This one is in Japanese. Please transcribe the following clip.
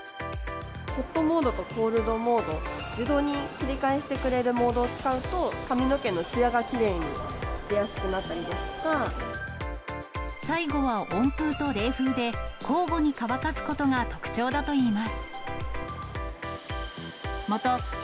ホットモードとコールドモード、自動に切り替えしてくれるモードを使うと髪の毛のつやがきれいに最後は温風と冷風で交互に乾かすことが特徴だといいます。